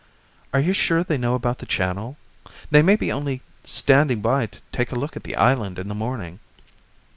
"Are you sure they know about the channel? They may be only standing by to take a look at the island in the morning.